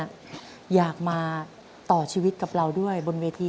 ทำงานชื่อนางหยาดฝนภูมิสุขอายุ๕๔ปี